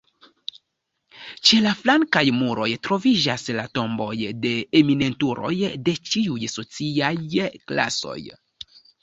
Ĉe la flankaj muroj troviĝas la tomboj de eminentuloj de ĉiuj sociaj klasoj.